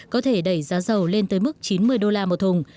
có thể đẩy giá dầu lên tới mức chín mươi đô la một thùng